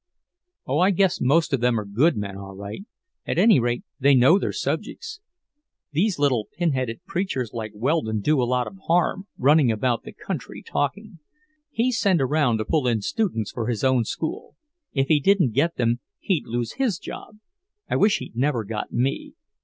"Oh, I guess most of them are good men, all right; at any rate they know their subjects. These little pin headed preachers like Weldon do a lot of harm, running about the country talking. He's sent around to pull in students for his own school. If he didn't get them he'd lose his job. I wish he'd never got me.